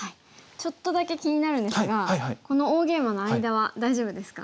ちょっとだけ気になるんですがこの大ゲイマの間は大丈夫ですか？